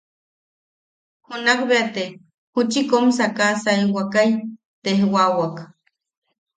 Junakbea te ju- chi kom sakasaiwakai tejwawak.